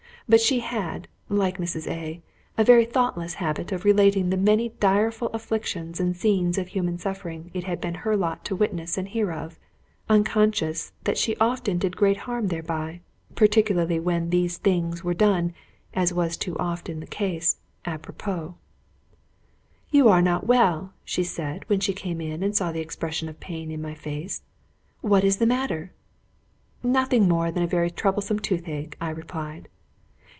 But she had, like Mrs. A , a very thoughtless habit of relating the many direful afflictions and scenes of human suffering it had been her lot to witness and hear of, unconscious that she often did great harm thereby, particularly when these things were done, as was too often the case, apropos. "You are not well," she said, when she came in and saw the expression of pain in my face. "What is the matter?" "Nothing more than a very troublesome tooth ache," I replied.